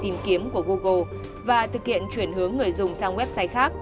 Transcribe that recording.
tìm kiếm của google và thực hiện chuyển hướng người dùng sang website khác